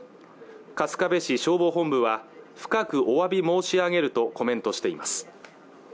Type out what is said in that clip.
春日部市消防本部は深くおわび申し上げるとコメントしています